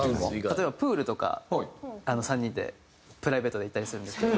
例えばプールとか３人でプライベートで行ったりするんですけど。